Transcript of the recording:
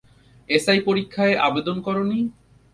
SI পরীক্ষায় আবেদন করোনি?